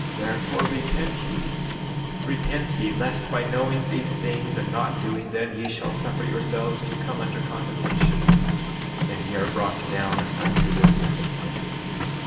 14:19 Therefore repent ye, repent ye, lest by knowing these things and not doing them ye shall suffer yourselves to come under condemnation, and ye are brought down unto this second death.